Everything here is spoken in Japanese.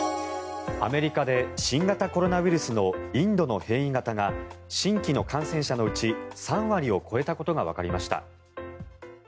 アメリカで新型コロナウイルスのインドの変異型が新規の感染者のうち３割を超えたことがわかりました。